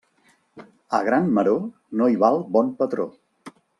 A gran maror no hi val bon patró.